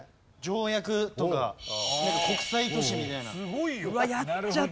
条約とかなんか国際都市みたいな。